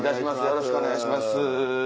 よろしくお願いします。